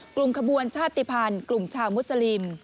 กลุ่มขบวนชาติภัณฑ์กลุ่มชาวมุสลิม